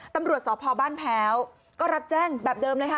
ตำรวจสพบ้านแพ้วก็รับแจ้งแบบเดิมเลยค่ะ